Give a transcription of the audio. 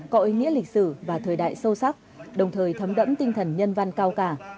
cội nghĩa lịch sử và thời đại sâu sắc đồng thời thấm đẫm tinh thần nhân văn cao cả